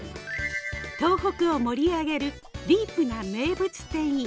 東北を盛り上げるディープな名物店員。